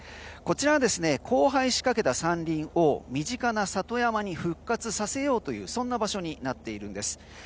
こちらは、荒廃しかけた山林を身近な里山に復活させようという場所になっているんです。